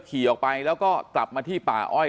ขี่ออกไปแล้วก็กลับมาที่ป่าอ้อย